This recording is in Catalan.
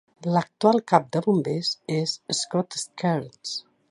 L'actual cap de bombers és Scott Cairns.